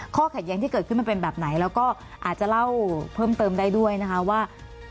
ข้อขัดยังที่เกิดไปเป็นแบบไหนแล้วก็อาจจะเล่าเพิ่มเติมได้ด้วยว่า